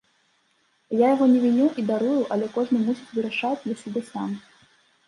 Я яго не віню і дарую, але кожны мусіць вырашаць для сябе сам.